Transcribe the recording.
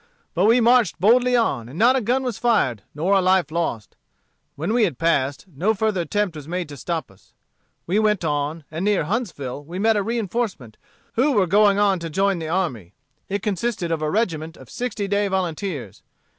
But we marched boldly on, and not a gun was fired, nor a life lost. When we had passed, no further attempt was made to stop us. We went on, and near Huntsville we met a reinforcement who were going on to join the army. It consisted of a regiment of sixty day volunteers.